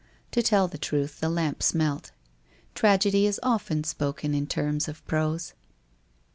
To tell the truth the lamp smelt. Tragedy is often spoken in terms of prose.